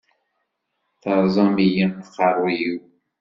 Teṛẓamt-iyi aqeṛṛuy-iw.